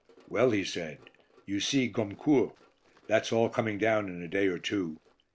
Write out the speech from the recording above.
"Well," he said, "you see Gommecourt; that's all coming down in a day or two.